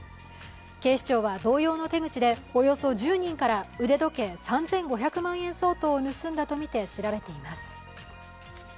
警視庁は同様の手口でおよそ１０人から腕時計３５００万円相当を盗んだとみて調べています。